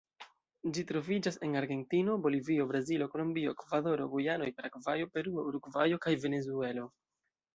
Ĝi troviĝas en Argentino, Bolivio, Brazilo, Kolombio, Ekvadoro, Gujanoj, Paragvajo, Peruo, Urugvajo kaj Venezuelo.